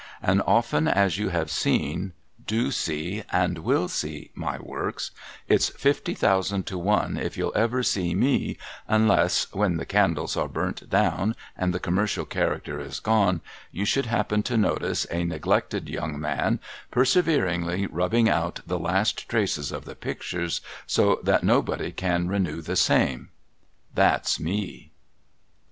And often as you have seen, do see, and will see, my Works, it's fifty thousand to one if you'll ever see me, unless, when the candles are burnt down and the Commercial character is gone, you should happen to notice a neglected young man perseveringly rubbing out the last traces of the pictures, so that nobody can renew the same. That's me.